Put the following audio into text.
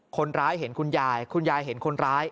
คนร้ายเห็นคุณยายคุณยายเห็นคนร้าย